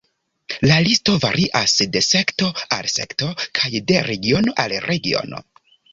La listo varias de sekto al sekto, kaj de regiono al regiono.